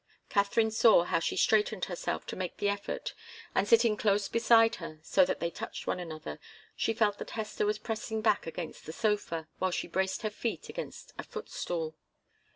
Katharine saw how she straightened herself to make the effort, and sitting close beside her, so that they touched one another, she felt that Hester was pressing back against the sofa, while she braced her feet against a footstool.